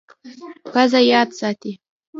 پزه یاد ساتي.